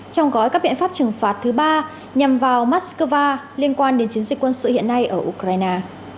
trong gói các biện pháp trừng phạt thứ ba nhằm vào moscow liên quan đến chiến dịch quân sự hiện nay ở ukraine